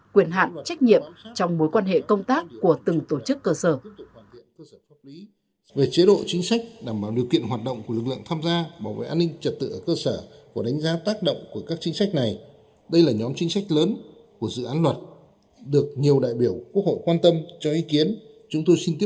góp phần quan trọng để giữ vững an ninh trật tự ở cơ sở trong tình hình hiện nay là rất cần thiết